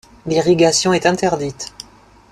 L'irrigation est interdite.